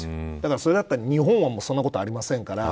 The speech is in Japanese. それだったら日本はそんなことはありませんから。